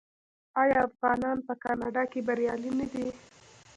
آیا افغانان په کاناډا کې بریالي نه دي؟